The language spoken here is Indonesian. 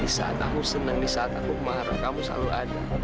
di saat aku senang di saat aku marah kamu selalu ada